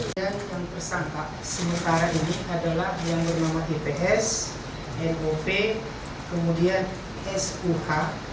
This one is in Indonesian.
dan tersangka sementara ini adalah yang bernama ips nov kemudian suh